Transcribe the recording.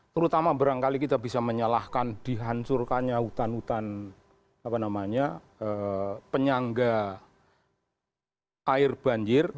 terutama barangkali kita bisa menyalahkan dihancurkannya hutan hutan penyangga air banjir